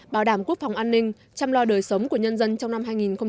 bảo đảm quốc phòng an ninh chăm lo đời sống của nhân dân trong năm hai nghìn hai mươi